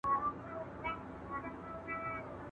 تر دې ولاړي په خرپ نړېدلې ښه ده.